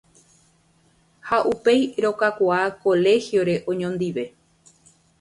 ha upéi rokakuaa colegio-re oñondive.